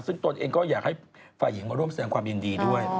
ซึ่งตนเองก็อยากให้ฝ่ายหญิงมาร่วมแสดงความยินดีด้วย